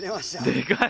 でかい！